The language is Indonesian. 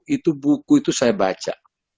itu buku itu saya baca